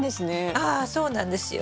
ああそうなんですよ。